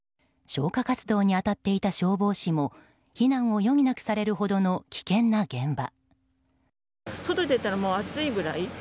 消火活動に当たっていた消防士も避難を余儀なくされるほどの危険な現場。